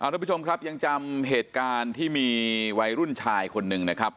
ทุกผู้ชมครับยังจำเหตุการณ์ที่มีวัยรุ่นชายคนหนึ่งนะครับ